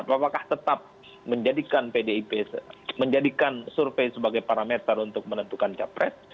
apakah tetap menjadikan pdip menjadikan survei sebagai parameter untuk menentukan capres